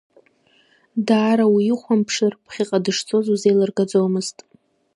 Даара уихәамԥшыр, ԥхьаҟа дышцоз узеилыргаӡомызт…